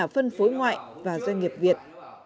phân phối ngoại và doanh nghiệp việt